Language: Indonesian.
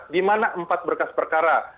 di mana empat berkas perkara